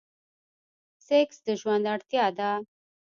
سيکس د ژوند اړتيا ده.